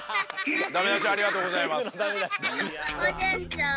ダメだしありがとうございます。